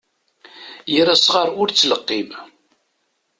Yir asɣar, ur ttleqqim.